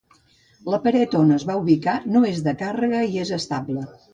La paret on es va ubicar no és de càrrega i és estable.